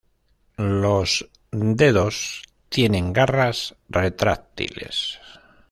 Los dedos tienen garras retráctiles.